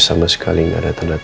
saya ceritain satu satu